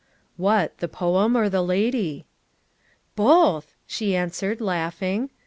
"What? the poem, or the lady?" "Both," she answered, laughing.